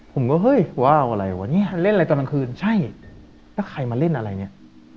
ผมก็เฮ้ยว้าวอะไรวะเนี่ยเล่นอะไรตอนกลางคืนใช่แล้วใครมาเล่นอะไรเนี่ย